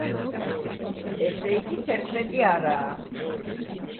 ესე იგი, თერთმეტი არაა.